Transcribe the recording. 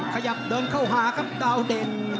ขยับเดินเข้าหาครับดาวเด่น